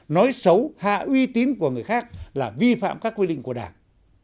nói xấu hạ uy tín của người khác là vi phạm các quy định của đảng